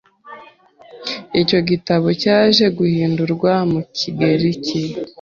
icyo gitabo cyaje guhindurwa mu kigereki